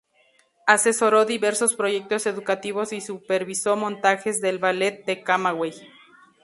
Asesoró diversos proyectos educativos y supervisó montajes del Ballet de Camagüey.